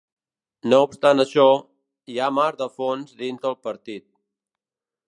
No obstant això, hi ha mar de fons dins del partit.